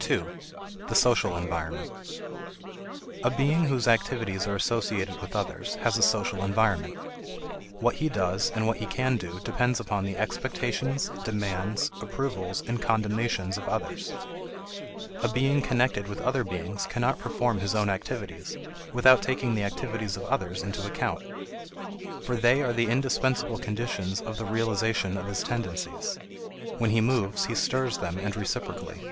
2. The Social Environment. A being whose activities are associated with others has a social environment. What he does and what he can do depend upon the expectations, demands, approvals, and condemnations of others. A being connected with other beings cannot perform his own activities without taking the activities of others into account. For they are the indispensable conditions of the realization of his tendencies. When he moves he stirs them and reciprocally.